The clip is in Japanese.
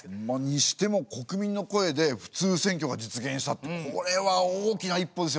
にしても国民の声で普通選挙が実現したってこれは大きな一歩ですよね。